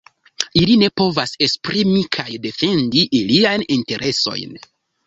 Ili ne povas esprimi kaj defendi iliajn interesojn.